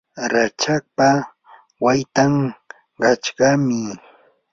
rachakpa waqtan qachqami.